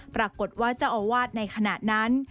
ปรากฏว่าเจ้าอาวาสในขณะนั้น